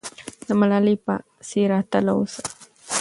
د ملالۍ په څېر اتل اوسه.